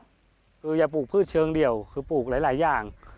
คืออย่าปลูกพืชเชิงเดี่ยวคือปลูกหลายอย่าง